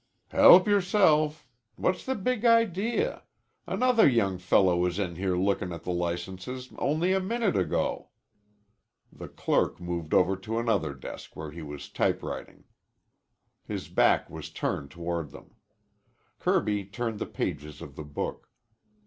"Help yourself. What's the big idea? Another young fellow was in lookin' at the licenses only a minute ago." The clerk moved over to another desk where he was typewriting. His back was turned toward them. Kirby turned the pages of the book.